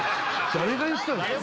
誰が言ったんですか？